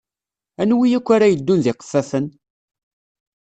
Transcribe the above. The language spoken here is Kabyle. Anwi akk ara yeddun d iqeffafen?